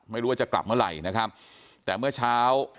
ไม่รู้ว่าจะกลับเมื่อไหร่นะครับแต่เมื่อเช้า